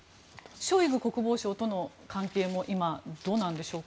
ショイグ国防相との関係も今、どうなんでしょうか？